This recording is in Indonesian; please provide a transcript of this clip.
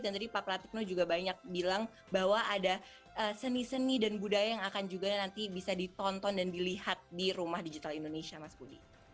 dan tadi pak pratik juga banyak bilang bahwa ada seni seni dan budaya yang akan juga nanti bisa ditonton dan dilihat di rumah digital indonesia mas putri